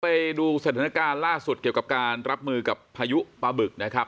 ไปดูสถานการณ์ล่าสุดเกี่ยวกับการรับมือกับพายุปลาบึกนะครับ